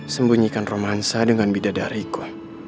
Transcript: sembunyikan romansa dengan bidadariku